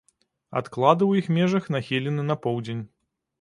Адклады ў іх межах нахілены на поўдзень.